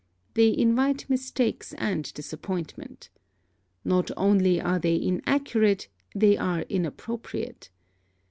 They invite mistakes and disappointment. Not only are they inaccurate: they are inappropriate.